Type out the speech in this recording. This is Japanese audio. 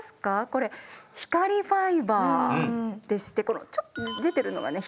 これ光ファイバーでしてこのちょっと出てるのがね